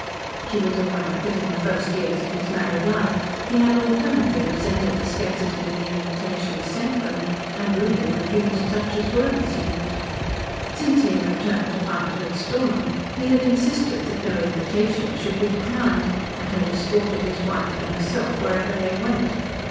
She was aware that in the first years of his married life he had alternately resented the scarcity of the invitations sent them and rudely refused such as were received. Since he had returned to find her at Stornham, he had insisted that no invitations should be declined, and had escorted his wife and herself wherever they went.